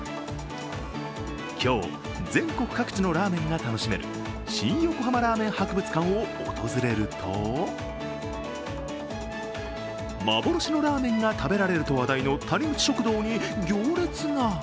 今日、全国各地のラーメンが楽しめる新横浜ラーメン博物館を訪れると幻のラーメンが食べられると話題の谷口食堂に行列が。